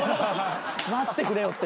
待ってくれよって。